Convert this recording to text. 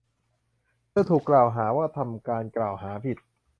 เธอถูกกล่าวหาว่าทำการกล่าวหาผิด